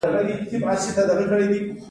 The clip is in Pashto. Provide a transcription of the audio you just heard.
ښوونکی موضوع په ساده ژبه ټولو ته تشريح کړه.